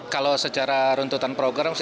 kalau secara runtutan program